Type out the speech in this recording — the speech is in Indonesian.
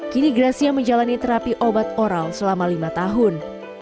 kini gracia menjalani terapi obat oral selama lima tahun